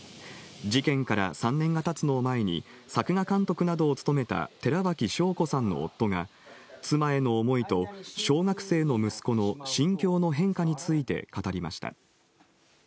事件から３年がたつのを前に、作画監督などを務めた寺脇晶子さんの夫が、妻への思いと、小学生の息子の心境の変化について語りました。